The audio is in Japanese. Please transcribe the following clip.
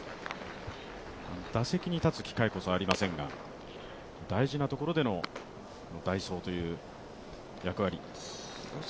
打席に立つ機会こそありませんが、大事なところでの代走という役割です。